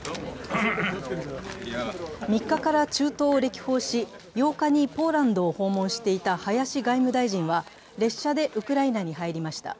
３日から中東を歴訪し、８日にポーランドを訪問していた林外務大臣は列車でウクライナに入りました。